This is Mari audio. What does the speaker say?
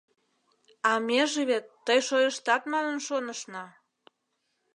А меже вет тый шойыштат манын шонышна.